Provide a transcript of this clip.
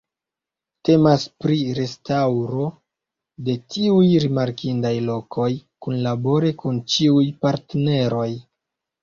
Temas pri restaŭro de tiuj rimarkindaj lokoj kunlabore kun ĉiuj partneroj.